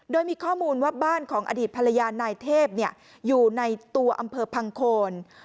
โดยมีข้อมูลว่าบ้านของอดีตภรรยานายเทพอยู่ในตัวอำเภอพังโคน